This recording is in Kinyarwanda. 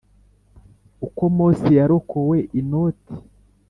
uko mose yarokowe inoti